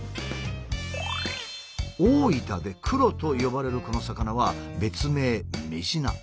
大分で「クロ」と呼ばれるこの魚は別名「メジナ」。